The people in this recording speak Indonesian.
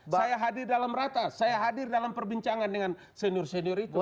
saya hadir dalam rata saya hadir dalam perbincangan dengan senior senior itu